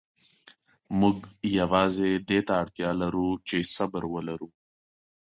موږ یوازې دې ته اړتیا لرو چې صبر ولرو.